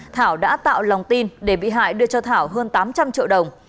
thảo đã tạo lòng tin để bị hại đưa cho thảo hơn tám trăm linh triệu đồng